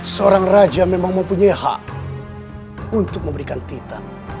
seorang raja memang mempunyai hak untuk memberikan titan